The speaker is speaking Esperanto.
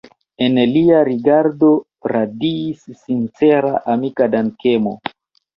El lia rigardo radiis sincera amika dankemo.